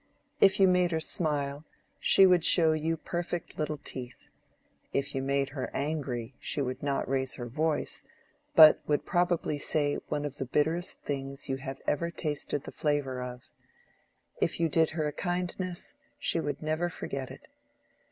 If you made her smile, she would show you perfect little teeth; if you made her angry, she would not raise her voice, but would probably say one of the bitterest things you have ever tasted the flavor of; if you did her a kindness, she would never forget it.